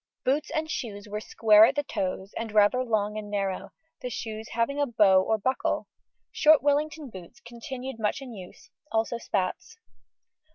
Boots and shoes were square at the toes and rather long and narrow, the shoes having a bow or buckle. Short Wellington boots continued much in use, also spats.